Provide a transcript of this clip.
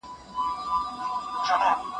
چې په خپله مو مرګ کور ته راوستلی